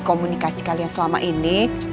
komunikasi kalian selama ini